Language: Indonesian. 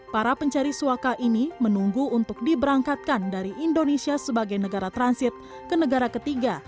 para pencari suaka ini menunggu untuk diberangkatkan dari indonesia sebagai negara transit ke negara ketiga